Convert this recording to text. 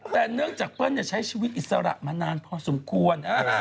แต่เนื่องจากเปิ้ลใช้ชีวิตอิสระมานานพอสมควร